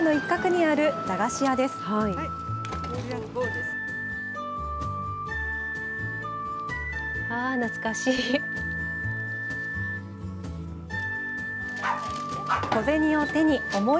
ああ、懐かしい。